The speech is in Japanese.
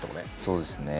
そうですね。